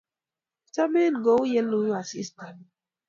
Achomin kou ye iluu asista.